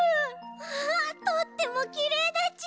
わあとってもきれいだち。